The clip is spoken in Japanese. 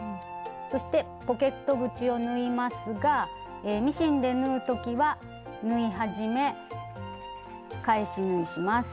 そしてポケット口を縫いますがミシンで縫う時は縫い始め返し縫いします。